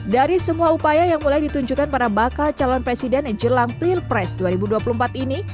dari semua upaya yang mulai ditunjukkan para bakal calon presiden jelang pilpres dua ribu dua puluh empat ini